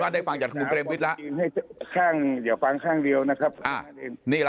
ว่าได้ฟังจากคุณเบรมวิทย์แล้วข้างเดี๋ยวฟังข้างเดียวนะ